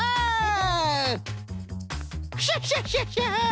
クシャシャシャシャ！